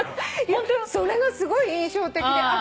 それがすごい印象的で。